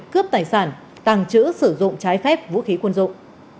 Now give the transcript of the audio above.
cướp tài sản tàng trữ sử dụng trái phép vũ khí quân dụng